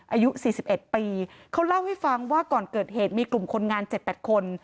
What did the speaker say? อายุ๔๑ปีเขาเล่าให้ฟังว่าก่อนเกิดเหตุมีกลุ่มคนงาน๗๘คน